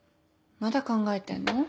まだ考えてんの？